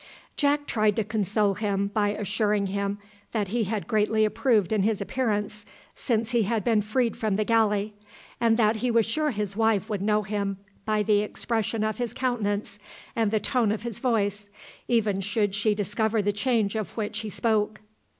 Jack tried to console him by assuring him that he had greatly improved in his appearance since he had been freed from the galley, and that he was sure his wife would know him by the expression of his countenance and the tone of his voice, even should she discover the change of which he spoke.